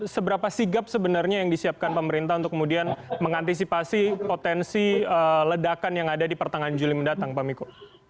seberapa sigap sebenarnya yang disiapkan pemerintah untuk kemudian mengantisipasi potensi ledakan yang ada di pertengahan juli mendatang pak miko